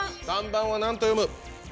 ３番は何と読む？